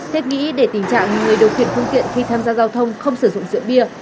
thiết nghĩ để tình trạng người điều khiển phương tiện khi tham gia giao thông không sử dụng rượu bia